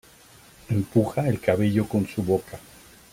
Empuja el cabello con su boca.